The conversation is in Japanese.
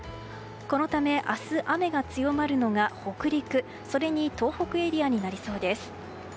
このため明日、雨が強まるのが北陸それに東北エリアになりそうです。